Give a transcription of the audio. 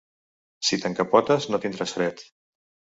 Si t'encapotes no tindràs fred.